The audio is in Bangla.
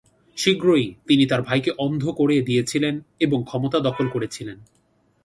শীঘ্রই, তিনি তার ভাইকে অন্ধ করে দিয়েছিলেন এবং ক্ষমতা দখল করেছিলেন।